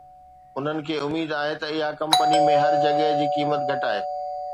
انهن کي اميد آهي ته اها ڪمپني ۾ هر جڳهه جي قيمت گھٽائي